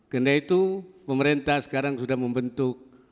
karena itu pemerintah sekarang sudah membentuk